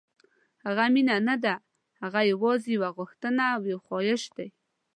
هغه مینه نه ده، هغه یوازې یو غوښتنه او خواهش دی.